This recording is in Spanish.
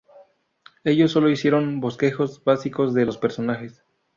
Ellos sólo hicieron bosquejos básicos de los personajes.